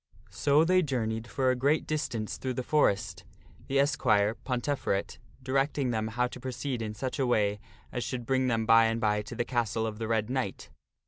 So they journeyed for a great distance through the forest, the esquire, Ponteferet, directing them how to proceed in such a way as should bring them by and by to the castle of the Red Knight.